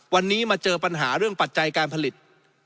วันนี้มาเจอปัญหาเรื่องปัจจัยการผลิต